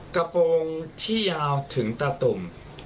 กระโปรงที่ยาวถึงตาตุ่ม